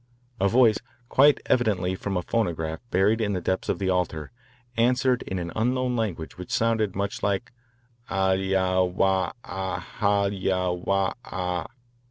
A voice, quite evidently from a phonograph buried in the depths of the altar, answered in an unknown language which sounded much like "Al ya wa aa haal ya waa ha."